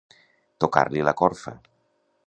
Tocar-li la corfa.